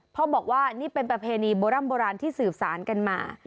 พ่อบอกว่านี่เป็นประเพณีโบร่ำโบราณที่สืบสารกันมา